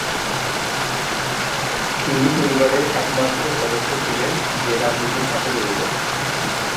তিনি পরিবারের একমাত্র সদস্য ছিলেন, যে রাজনীতির সাথে জড়িত।